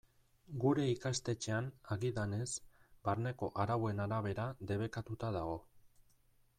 Gure ikastetxean, agidanez, barneko arauen arabera debekatuta dago.